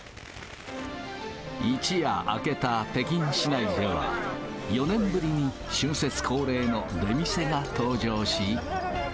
一夜明けた北京市内では、４年ぶりに春節恒例の出店が登場し。